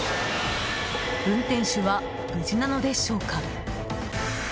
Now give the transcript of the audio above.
運転手は無事なのでしょうか。